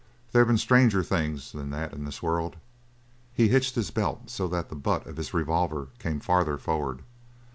They've been stranger things than that, in this world!" He hitched his belt so that the butt of his revolver came farther forward.